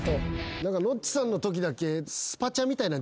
何かノッチさんのときだけ。